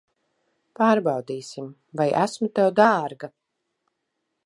Pārbaudīsim, vai esmu tev dārga.